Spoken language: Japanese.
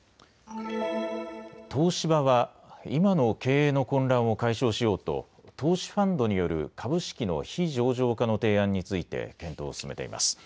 東芝は今の経営の混乱を解消しようと投資ファンドによる株式の非上場化の提案について検討を進めています。